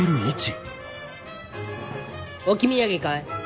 置き土産かい？